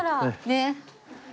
ねっ。